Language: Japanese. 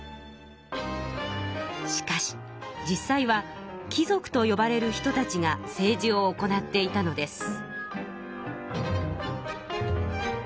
しかし実際は貴族とよばれる人たちが政治を行っていたのです。